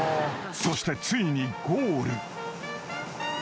［そしてついにゴール］